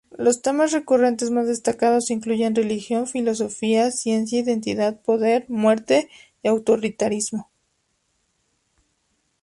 Los temas recurrentes más destacados incluyen religión, filosofía, ciencia, identidad, poder, muerte y autoritarismo.